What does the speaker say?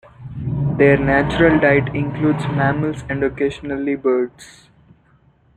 Their natural diet includes mammals and occasionally birds.